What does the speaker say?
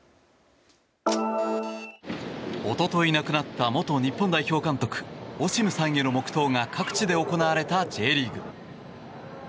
一昨日亡くなった元日本代表監督オシムさんへの黙祷が各地で行われたＪリーグ。